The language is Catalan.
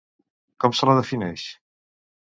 Com se la defineix?